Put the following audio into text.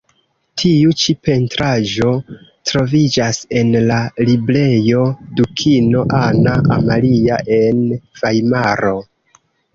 Tiu ĉi pentraĵo troviĝas en la Librejo Dukino Anna Amalia en Vajmaro.